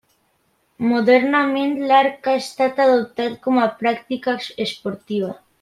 Modernament l’arc ha estat adoptat com a pràctica esportiva.